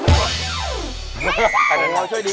ตัวติ๊กหลีมาช่วยดี